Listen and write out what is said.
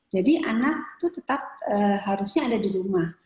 jadi anak itu tetap harusnya ada di rumah